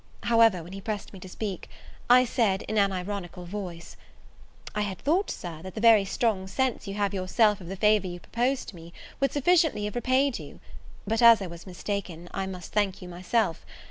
However, when he pressed me to speak, I said, in an ironical voice, "I had thought, Sir, that the very strong sense you have yourself of the favour you propose to me, would sufficiently have repaid you; but, as I was mistaken, I must thank you myself.